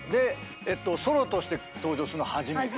ソロとして登場するのは初めて。